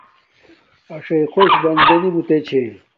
اݵسݵئ خݸش بندݺ نݵ مݸتݺ چھݺ.